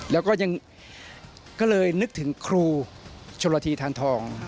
แล้วก็ยังก็เลยนึกถึงครูชนละทีทานทอง